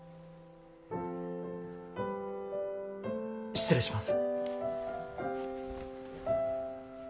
失礼します。